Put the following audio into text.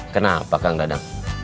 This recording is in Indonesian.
kenapa kang dadang